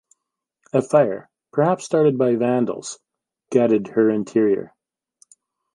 A fire, perhaps started by vandals, gutted her interior.